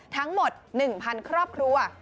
ทั้งหมด๑๐๐๐ครอบครัว